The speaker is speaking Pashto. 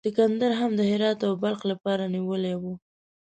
سکندر هم د هرات او بلخ لیاره نیولې وه.